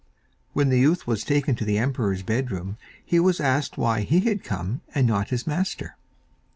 When the youth was taken to the emperor's bedroom, he was asked why he had come and not his master.